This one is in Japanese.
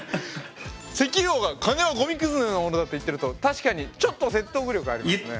石油王が「金はごみくずのようなものだ」って言ってると確かにちょっと説得力ありますね。